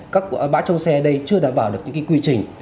các bãi trong xe ở đây chưa đảm bảo được những quy trình